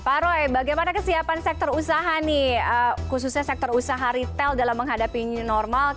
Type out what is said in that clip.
pak roy bagaimana kesiapan sektor usaha nih khususnya sektor usaha retail dalam menghadapi new normal